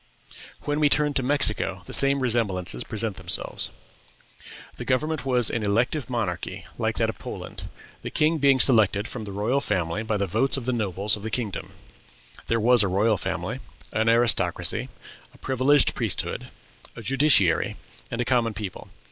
When we turn to Mexico, the same resemblances present themselves. The government was an elective monarchy, like that of Poland, the king being selected from the royal family by the votes of the nobles of the kingdom. There was a royal family, an aristocracy, a privileged priesthood, a judiciary, and a common people.